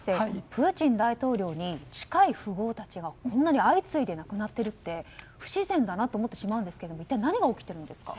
プーチン大統領に近い富豪たちが相次いで亡くなっているって不自然だなと思ってしまうんですけれども一体何が起こってるんですか？